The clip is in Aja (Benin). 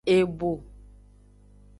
Ebo.